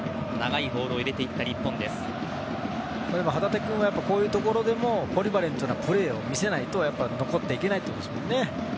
旗手君が、こういうところでもポリバレントなプレーを見せないと残っていけないということでしょうね。